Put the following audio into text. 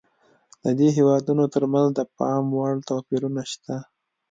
د دې هېوادونو ترمنځ د پاموړ توپیرونه شته.